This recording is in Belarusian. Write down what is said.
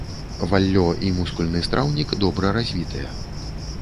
Валлё і мускульны страўнік добра развітыя.